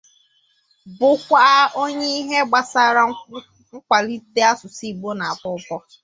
bụkwá onye ihe gbasaara nkwàlite asụsụ Igbo na-atọ ụtọ